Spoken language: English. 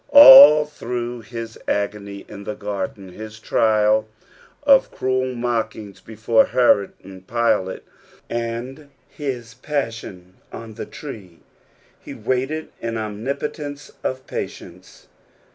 All through nis agonj ia the garden, hia trial of cruel mocliings before Herod and i'ilate, and his passion on the tree, he waited in omnipotence of patience.